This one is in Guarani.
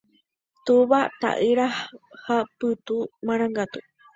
Túva, ta'ýra ha Pytu marangatu.